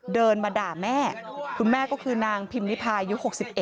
เดินมาด่าแม่คุณแม่ก็คือนางพิมนิพายุ๖๑